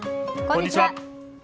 こんにちは。